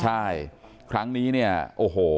ใช่ครั้งนี้เนี่ยโอ้โห